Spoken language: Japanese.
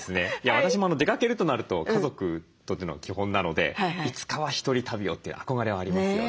私も出かけるとなると家族とというのが基本なのでいつかは１人旅をって憧れはありますよね。